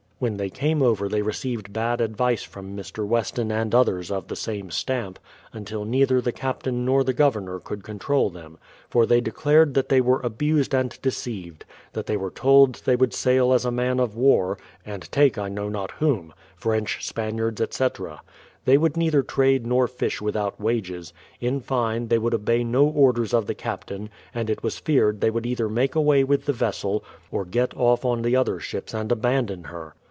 When 1S2 BRADFORD'S HISTORY they came over they received bad advice from Mr. Weston and others of the same stamp, until neither the captain nor the governor could control them, for they declared that they were abused and deceived; that they were told they would sail as a man of war, and take I know not whom, — French, Spaniards, etc. They would neither trade nor fish without wages ; in fine, they would obey no orders of the captain, and it was feared they would either make away with the vessel, or get off on the other ships and abandon her.